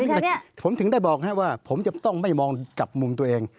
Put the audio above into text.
ส่วนดิฉันเนี่ยผมถึงได้บอกนะครับว่าผมจะต้องไม่มองจากมุมตัวเอง